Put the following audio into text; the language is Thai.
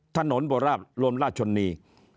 ถนนโบราณรวมราชชนนี